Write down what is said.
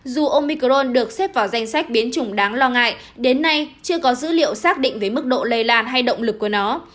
dù ông micron được xếp vào danh sách biến chủng đáng lo ngại đến nay chưa có dữ liệu xác định về mức độ lây lan hay động lực của nó